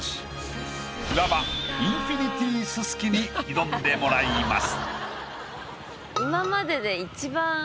いわばインフィニティすすきに挑んでもらいます。